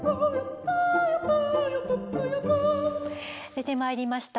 出てまいりました